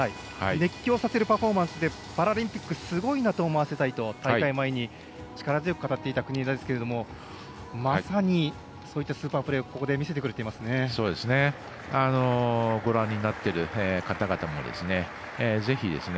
熱狂させるパフォーマンスでパラリンピックすごいなと思わせたいなと、大会前に力強く語っていた国枝ですけれどもまさに、そういったスーパープレーをここで見せてくれていますね。